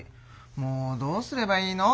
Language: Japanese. もうどうすればいいの？